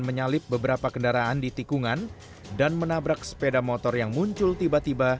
menyalip beberapa kendaraan di tikungan dan menabrak sepeda motor yang muncul tiba tiba